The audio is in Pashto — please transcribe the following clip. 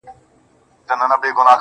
كله توري سي